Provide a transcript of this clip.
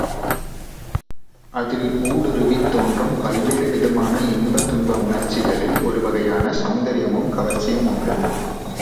அதில் ஊடுருவித் தோன்றும் பல்வேறு விதமான இன்ப துன்ப உணர்ச்சிகளில் ஒரு வகையான செளந்தரியமும் கவர்ச்சியும் உண்டு.